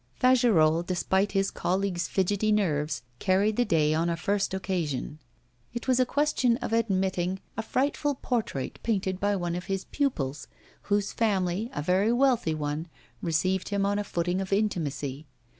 Fagerolles, despite his colleagues' fidgety nerves, carried the day on a first occasion. It was a question of admitting a frightful portrait painted by one of his pupils, whose family, a very wealthy one, received him on a footing of intimacy.